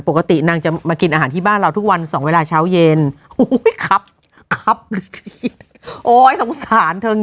ปกตินางจะมากินอาหารที่บ้านเราทุกวันสองเวลาเช้าเย็นครับครับ